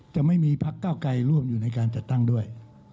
จะไม่มีพักเก้าไกลร่วมอยู่ในการจัดตั้งด้วย